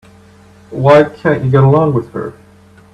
Why can't you get along with her?